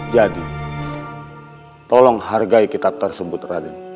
jadi tolong hargai kitab tersebut raden